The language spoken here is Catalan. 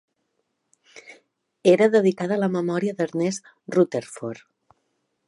Era dedicada a la memòria d'Ernest Rutherford.